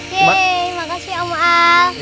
yeay makasih om al